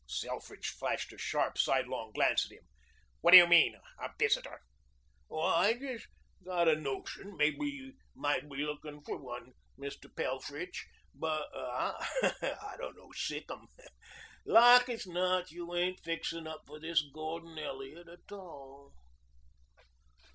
Selfridge flashed a sharp sidelong glance at him. "What do you mean a visitor?" "I just got a notion mebbe you might be looking for one, Mr. Pelfrich. But I don't know sic' 'em. Like as not you ain't fixing up for this Gordon Elliot a tall."